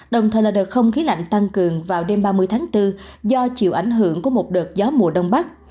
đồng thời là đợt không khí lạnh tăng cường vào đêm ba mươi tháng bốn do chịu ảnh hưởng của một đợt gió mùa đông bắc